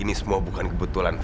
ini semua bukan kebetulan